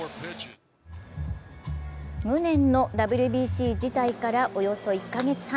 無念のＷＢＣ辞退からおよそ１か月半。